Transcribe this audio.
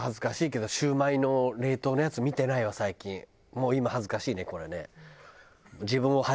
もう今恥ずかしいねこれね。